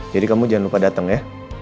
jadi kamu jangan lupa datang ya